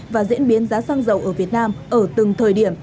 và diễn biến giá xăng dầu ở việt nam ở từng thời điểm